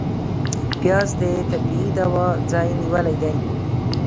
پیاز د طبعي دوا ځای نیولی دی